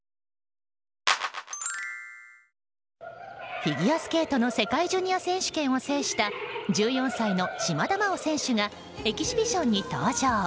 フィギュアスケートの世界ジュニア選手権を制した１４歳の島田麻央選手がエキシビションに登場。